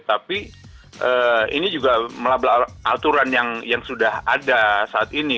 tapi ini juga melabel aturan yang sudah ada saat ini